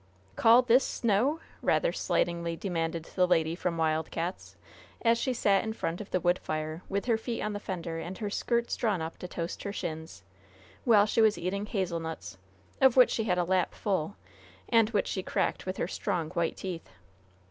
"Call this snow?" rather slightingly demanded the lady from Wild Cats', as she sat in front of the wood fire, with her feet on the fender and her skirts drawn up to toast her shins, while she was eating hazelnuts, of which she had a lap full, and which she cracked with her strong, white teeth.